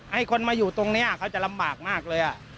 ให้คนมาอยู่ตรงนี้เขาจะลำบากมากเลย